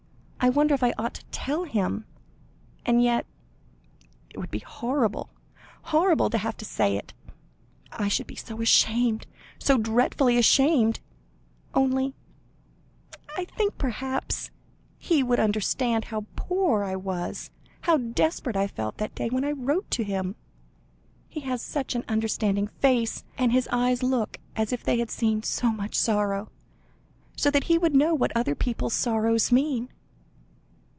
I wonder if I ought to tell him? And yet it would be horrible horrible to have to say it. I should be so ashamed so dreadfully ashamed. Only I think, perhaps he would understand how poor I was, how desperate I felt, that day when I wrote to him. He has such an understanding face, and his eyes look as if they had seen so much sorrow, so that he would know what other people's sorrows mean.